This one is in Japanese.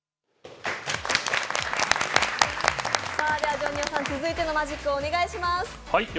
ＪＯＮＩＯさん、続いてのマジックをお願いします。